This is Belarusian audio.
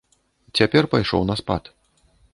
Цяпер пайшоў на спад.